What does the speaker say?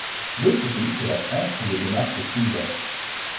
D'autres pays que la France ont des démarches similaires.